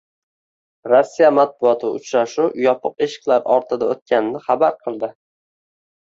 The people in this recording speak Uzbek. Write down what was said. Rossiya matbuoti uchrashuv yopiq eshiklar ortida o'tganini xabar qildi